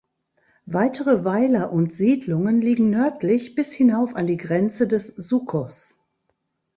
Weitere Weiler und Siedlungen liegen nördlich bis hinauf an die Grenze des Sucos.